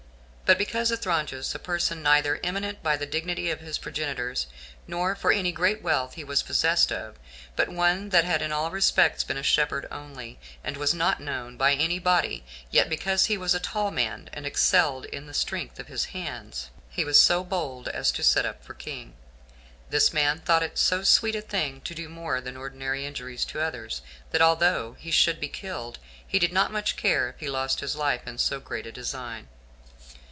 7. But because Athronges, a person neither eminent by the dignity of his progenitors, nor for any great wealth he was possessed of, but one that had in all respects been a shepherd only, and was not known by any body; yet because he was a tall man, and excelled others in the strength of his hands, he was so bold as to set up for king. This man thought it so sweet a thing to do more than ordinary injuries to others, that although he should be killed, he did not much care if he lost his life in so great a design.